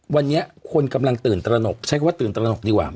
วันนี้คนกำลังตื่นตระหนกใช้คำว่าตื่นตระหนกดีกว่า